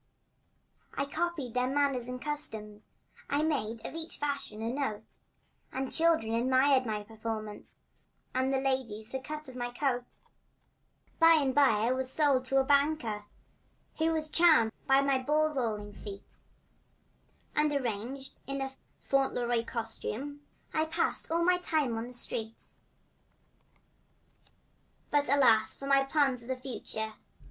I copied their manners and customs I made of each fashion a note; And the children admired my performance And the ladies the cut of my coat. By and by I was sold to a banker Who was charmed with my ball rolling feat, And arrayed in a Fauntleroy costume I passed all my time on the street. But alas for my plans of the future!